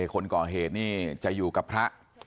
คนก่อเหตุนี่จะอยู่กับพระ